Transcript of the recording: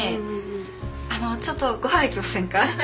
「あのちょっとご飯行きませんか？」